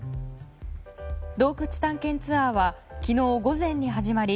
洞窟探検ツアーは昨日午前に始まり